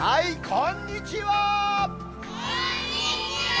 こんにちは。